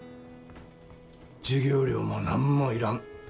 授業料も何も要らん。